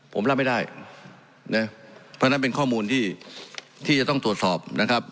ผมรับไม่ได้นะเพราะฉะนั้นเป็นข้อมูลที่ที่จะต้องตรวจสอบนะครับ